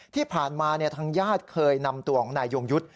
ที่ผ่านมาทางญาติเคยนำตัวของนายยงยุทธ์